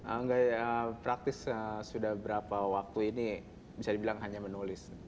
enggak ya praktis sudah berapa waktu ini bisa dibilang hanya menulis